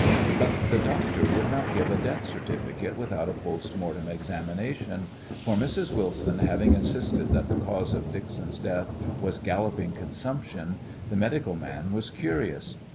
But the doctor would not give a death certificate without a post mortem examination, for, Mrs. Wilson having insisted that the cause of Dixon's death was galloping consumption, the medical man was curious.